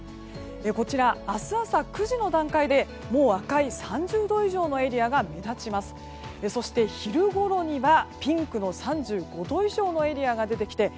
こちら、明日朝９時の段階で赤い３０度以上のエリアが目立ちます。